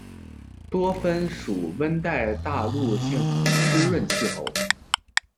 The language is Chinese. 多芬属温带大陆性湿润气候。